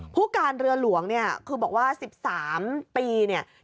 ผู้การเรือหลวงเนี่ยคือบอกว่า๑๓ปีเนี่ย